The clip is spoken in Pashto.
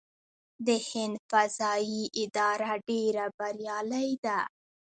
د هند فضايي اداره ډیره بریالۍ ده.